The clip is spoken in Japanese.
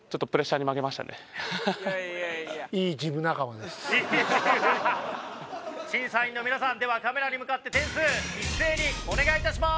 できれば審査員の皆さんではカメラに向かって点数一斉にお願い致します。